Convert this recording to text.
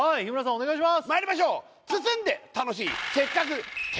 お願いします